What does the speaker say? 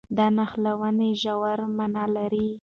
دا نښلونې ژوره مانا لري.